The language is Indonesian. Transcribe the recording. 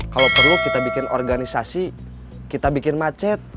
kalau perlu kita bikin organisasi kita bikin macet